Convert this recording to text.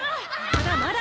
まだまだ！